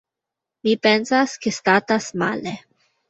Mi pensas, ke statas male.